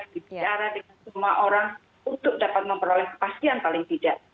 bicara dengan semua orang untuk dapat memperoleh kepastian paling tidak